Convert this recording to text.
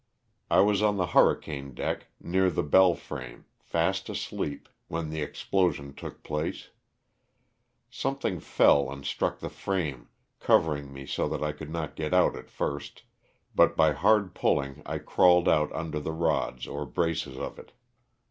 I was on the hurricane deck, near the bell frame, fast asleep when the explosion took place Something fell and struck the frame, covering me so that I could not get out at first, but by hard pulling I crawled out under the rods or braces of it.